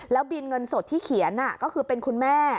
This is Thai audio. แล้วบินเงินสดที่เขียนก็คือเป็นคุณแม่